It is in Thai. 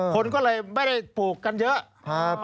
คนก็เลยไม่ได้ปลูกกันเยอะ